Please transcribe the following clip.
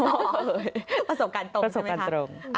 ประสบการณ์ตรงประสบการณ์ตรง